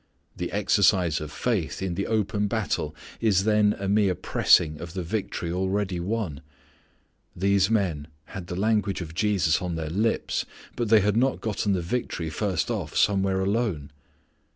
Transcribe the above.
The exercise of faith in the open battle is then a mere pressing of the victory already won. These men had the language of Jesus on their lips, but they had not gotten the victory first off somewhere alone.